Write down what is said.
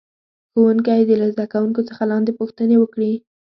ښوونکی دې له زده کوونکو څخه لاندې پوښتنې وکړي.